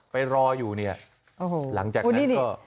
ไปรออยู่เนี่ยหลังจากนั้นก็